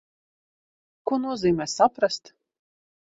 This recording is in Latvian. Ko nozīmē saprast?